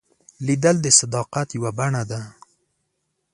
لیدل د صداقت یوه بڼه ده